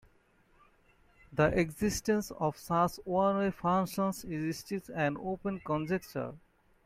The existence of such one-way functions is still an open conjecture.